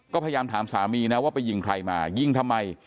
ก็พยายามถามสามีนะว่าไปยิงใครมายิงทำไม